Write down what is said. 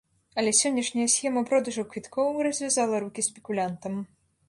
Але сённяшняя схема продажу квіткоў развязала рукі спекулянтам.